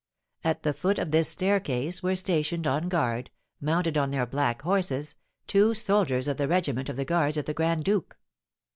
At the foot of this staircase were stationed on guard, mounted on their black horses, two soldiers of the regiment of the guards of the grand duke.